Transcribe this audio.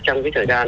trong cái thời gian